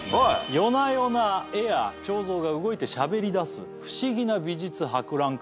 夜な夜な絵や彫像が動いてしゃべりだす不思議な美術博覧会場でございます。